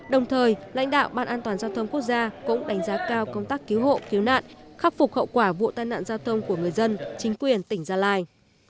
đồng thời lãnh đạo ban an toàn giao thông quốc gia cũng đánh giá cao công tác cứu hộ cứu nạn khắc phục hậu quả vụ tai nạn giao thông của người dân chính quyền tỉnh gia lai